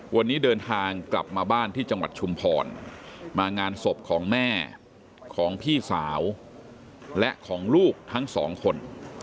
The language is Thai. วันนี้เดินทางกลับมาบ้านที่จังหวัดชุมพรมางานศพของแม่ของพี่สาวและของลูกทั้งสองคน